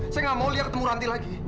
saya gak mau liha ketemu ranti lagi